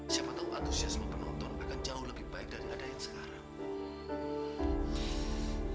siapa tahu atusiasmu penonton akan jauh lebih baik dari ada yang sekarang